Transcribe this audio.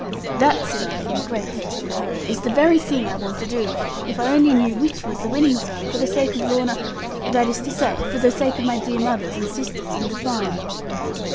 'That,' said I, in great haste and hurry, 'is the very thing I want to do, if I only knew which was the winning side, for the sake of Lorna that is to say, for the sake of my dear mother and sisters, and the farm.'